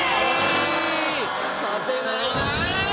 勝てないなぁ！